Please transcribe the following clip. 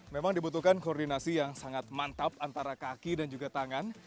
memang dibutuhkan koordinasi yang sangat mantap antara kaki dan juga tangan